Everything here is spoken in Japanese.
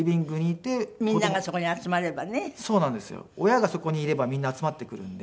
親がそこにいればみんな集まってくるんで。